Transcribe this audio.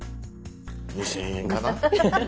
２，０００円かな。